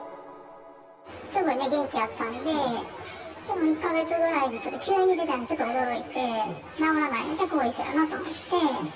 すぐに元気になったんで、でも１か月ぐらいで急にちょっと出たので、ちょっと驚いて、治らないし、後遺症やなと思って。